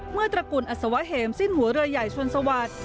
ตระกุลอัศวะเหมสิ้นหัวเรือใหญ่ชนสวัสดิ์